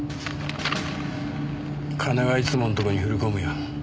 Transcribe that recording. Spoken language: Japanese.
金はいつものとこに振り込むよ。